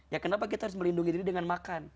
ya kenapa kita harus melindungi diri dengan makan